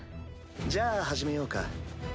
じゃあ始めようか。